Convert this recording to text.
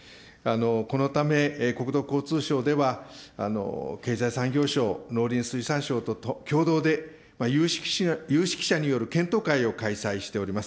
このため、国土交通省では、経済産業省、農林水産省と共同で、有識者による検討会を開催しております。